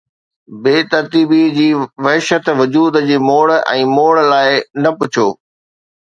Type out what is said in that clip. بي ترتيبيءَ جي وحشت، وجود جي موڙ ۽ موڙ لاءِ نه پڇو